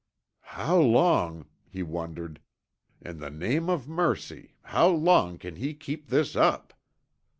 "How long," he wondered, "in the name of Mercy, how long can he keep this up?"